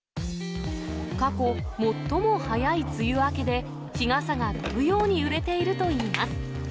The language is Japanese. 過去最も早い梅雨明けで、日傘が飛ぶように売れているといいます。